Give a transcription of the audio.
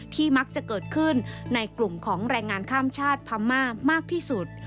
มักจะเกิดขึ้นในกลุ่มของแรงงานข้ามชาติพม่ามากที่สุด